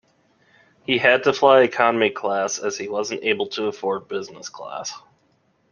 He had to fly economy class, as he wasn't able to afford business class